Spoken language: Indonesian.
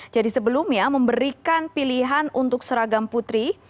sebelumnya memberikan pilihan untuk seragam putri